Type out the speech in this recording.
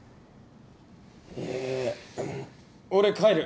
えー俺帰る。